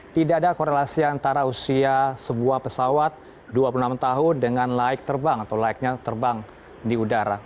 tidak ada korelasi antara usia sebuah pesawat dua puluh enam tahun dengan laik terbang atau laiknya terbang di udara